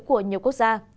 của quốc gia